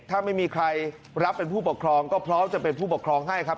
ถ้าไม่มีใครรับเป็นผู้ปกครองก็พร้อมจะเป็นผู้ปกครองให้ครับ